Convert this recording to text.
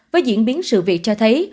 với diễn biến sự việc cho thấy